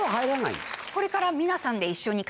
これから。